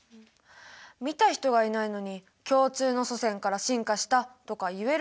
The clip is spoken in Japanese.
見た人がいないのに共通の祖先から進化したとか言えるの？